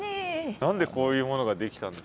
何でこういうものが出来たんですか？